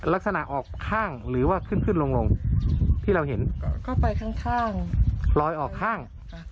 ลักษณะออกข้างหรือว่าขึ้นขึ้นลงลงที่เราเห็นก็ไปข้างลอยออกข้าง